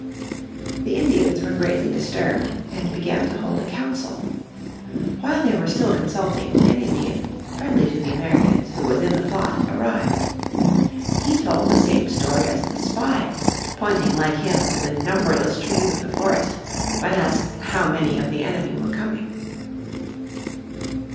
The Indians were greatly disturbed, and began to hold a council. While they were still consulting, an Indian, friendly to the Americans, who was in the plot, arrived. He told the same story as the spy, pointing like him to the numberless trees of the forest when asked how many of the enemy were coming.